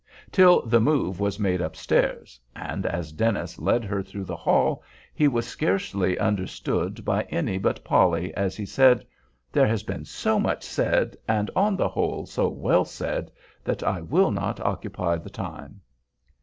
till the move was made upstairs; and as Dennis led her through the hall, he was scarcely understood by any but Polly, as he said, "There has been so much said, and, on the whole, so well said, that I will not occupy the time."